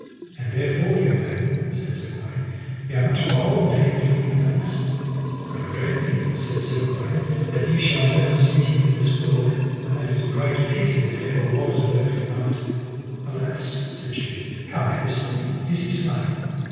And therefore fair maiden, said Sir Gawaine, ye are much beholden to him to give him thanks. But I dread me, said Sir Gawaine, that ye shall never see him in this world, and that is great pity that ever was of earthly knight. Alas, said she, how may this be, is he slain?